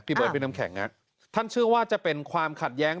เบิร์พี่น้ำแข็งท่านเชื่อว่าจะเป็นความขัดแย้ง